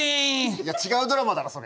いや違うドラマだろそれ。